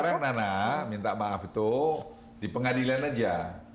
sekarang nana minta maaf itu di pengadilan aja